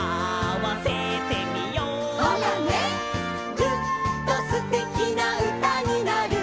「ぐっとすてきな歌になる」